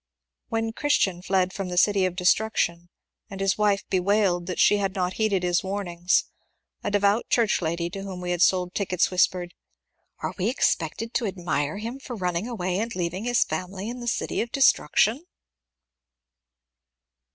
When Christian fled from the City of Destruction and his wife bewailed that she had not heeded his warnings, a devout Church lady, to whom we had sold tickets, whispered, *^ Are we expected to admire him for running away and leav ing his family in the City of Destruction